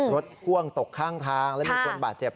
พ่วงตกข้างทางแล้วมีคนบาดเจ็บ